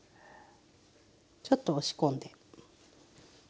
ちょっと押し込んで。